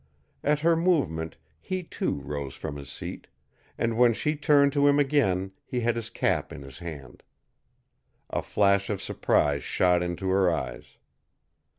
At her movement he, too, rose from his seat; and when she turned to him again he had his cap in his hand. A flash of surprise shot into her eyes.